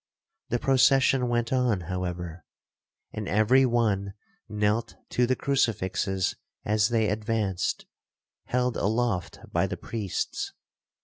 The procession went on, however, and every one knelt to the crucifixes as they advanced, held aloft by the priests.